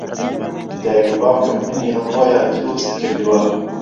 دایک و باوکم منی ئەمڕۆیان دروست کردووە.